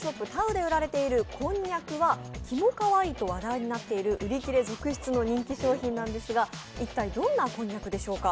ＴＡＵで売られているこんにゃくは、キモかわいいと話題になっている売り切れ続出の人気商品なんですが一体、どんなこんにゃくでしょうか？